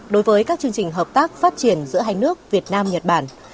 đối với các chương trình hợp tác phát triển giữa hai nước việt nam nhật bản